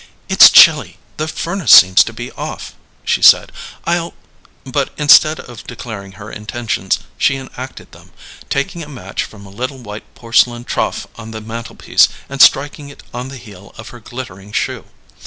"It's chilly. The furnace seems to be off," she said. "I'll " But instead of declaring her intentions, she enacted them; taking a match from a little white porcelain trough on the mantelpiece and striking it on the heel of her glittering shoe.